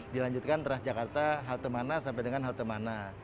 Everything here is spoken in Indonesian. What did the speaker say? dilanjutkan teras jakarta halte mana sampai dengan halte mana